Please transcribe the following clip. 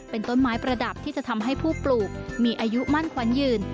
เป็นต้นไม้ประดับที่จะทำให้ผู้ปลูกมีอายุมั่นขวัญยืน